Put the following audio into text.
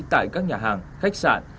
tại các nhà hàng khách sạn